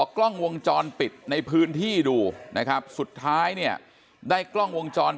กล้องวงจรปิดในพื้นที่ดูนะครับสุดท้ายเนี่ยได้กล้องวงจร